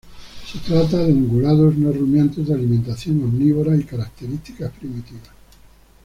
Se trata de ungulados no-rumiantes de alimentación omnívora y características primitivas.